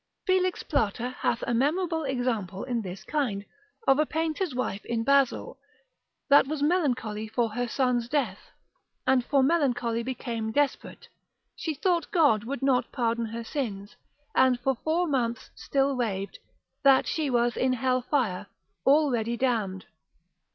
Felix Plater hath a memorable example in this kind, of a painter's wife in Basil, that was melancholy for her son's death, and for melancholy became desperate; she thought God would not pardon her sins, and for four months still raved, that she was in hell fire, already damned.